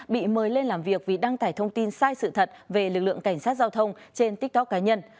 bị mời lên làm việc vì đăng tải thông tin sai sự thật về lực lượng cảnh sát giao thông trên tiktok cá nhân